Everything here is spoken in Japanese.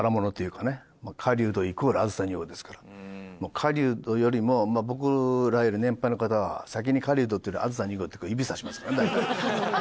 狩人よりも僕らより年配の方は先に狩人っていうより『あずさ２号』って指さしますから大体ええ。